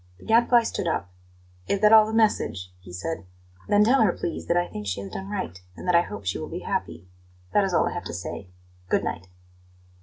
The Gadfly stood up. "Is that all the message?" he said. "Then tell her, please, that I think she has done right, and that I hope she will be happy. That is all I have to say. Good night!"